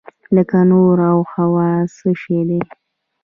لکه نور او هوا څه شی دي؟